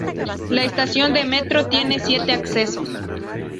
La estación de metro tiene siete accesos.